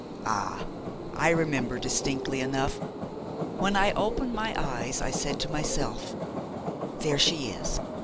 Ah! I remember distinctly enough. When I opened my eyes I said to myself: 'There she is!